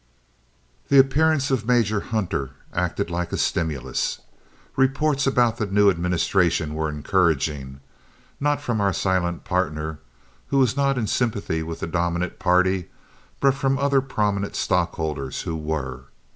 The appearance of Major Hunter acted like a stimulus. Reports about the new administration were encouraging not from our silent partner, who was not in sympathy with the dominant party, but from other prominent stockholders who were.